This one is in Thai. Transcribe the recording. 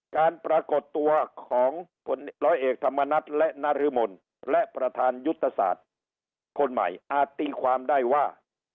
การปรากฏตัวของผลร้อยเอกธรรมนัฏและนรมนและประธานยุทธศาสตร์คนใหม่อาจตีความได้ว่า